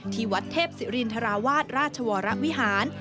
ที่วัดเทพศิรินทราวาสราชวรวิหาร